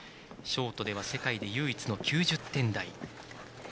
ショートでは世界で唯一の９０点台。